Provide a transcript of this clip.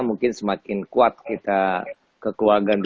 mungkin semakin kuat kita kekeluargaan